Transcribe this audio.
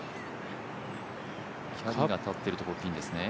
フラッグの立っているところがピンですね。